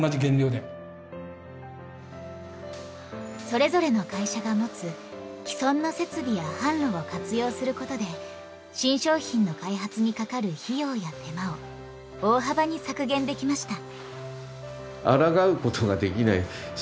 それぞれの会社が持つ既存の設備や販路を活用することで新商品の開発にかかる費用や手間を大幅に削減できました。